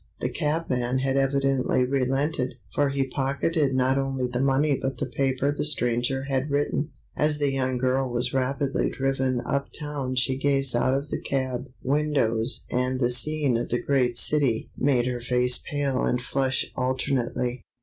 The cabman had evidently relented, for he pocketed not only the money but the paper the stranger had written. As the young girl was rapidly driven uptown she gazed out of the cab windows and the scenes of the great city made her face pale and flush alternately.